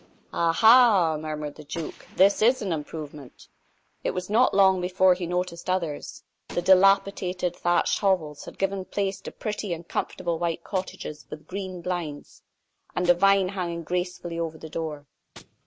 "Ah, ha!" murmured the duke, "this is an improvement!" It was not long before he noticed others. The dilapidated, thatched hovels had given place to pretty and comfortable white cottages with green blinds, and a vine hanging gracefully over the door.